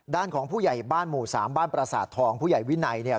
ด้านของผู้ใหญ่บ้านหมู่สามบ้านปราสาททองผู้ใหญ่วินัย